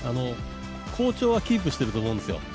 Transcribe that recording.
好調はキープしていると思うんですよ。